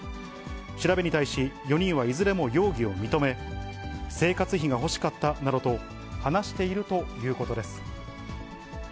調べに対し、４人はいずれも容疑を認め、生活費が欲しかったなどと話しているということです。